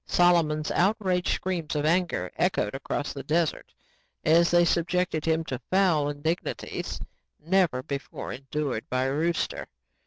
Solomon's outraged screams of anger echoed across the desert as they subjected him to fowl indignities never before endured by a rooster.